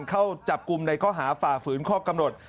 เข้าจับกลุ่มในข้อหาฝ่าฝืนข้อกำหนด